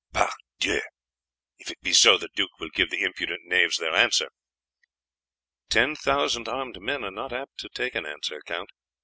"Pardieu! if it be so the duke will give the impudent knaves their answer." "Ten thousand armed men are not apt to take an answer, Count.